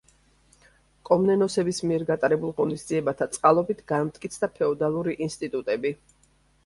კომნენოსების მიერ გატარებულ ღონისძიებათა წყალობით განმტკიცდა ფეოდალური ინსტიტუტები.